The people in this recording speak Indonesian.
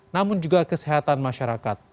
namun juga kesehatan masyarakat